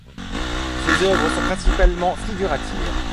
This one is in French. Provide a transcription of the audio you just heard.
Ses œuvres sont principalement figuratives.